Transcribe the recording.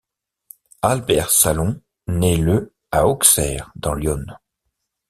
Albert Salon naît le à Auxerre, dans l'Yonne.